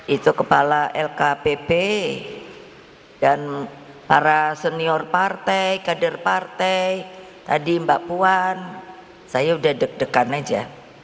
itu kepala lkpp dan para senior partai kader partai tadi mbak puan saya udah deg degan aja